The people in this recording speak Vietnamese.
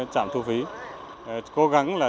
trạm thu phí cố gắng là